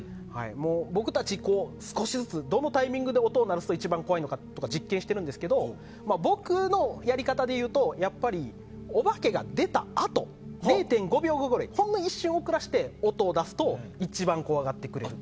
僕たちは少しずつ、どのタイミングで音を鳴らすと一番怖いのかっていうのを実験しているんですけど僕のやり方でいうとやっぱりお化けが出た０．５秒後ぐらいにほんの一瞬遅らせて音を出すと一番怖がってくれると。